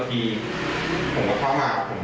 มันก็จะมีพวกกระเป๋าแบบกระเป๋าวางวางให้ดูข้าง